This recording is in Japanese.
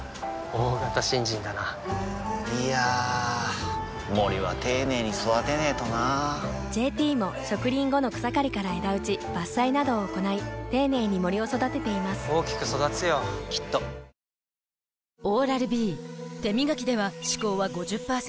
大型新人だないやー森は丁寧に育てないとな「ＪＴ」も植林後の草刈りから枝打ち伐採などを行い丁寧に森を育てています大きく育つよきっと秘密はポケットコイル座ってみたらほら違うお、ねだん以上。